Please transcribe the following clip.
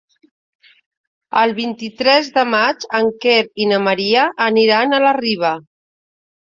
El vint-i-tres de maig en Quer i na Maria aniran a la Riba.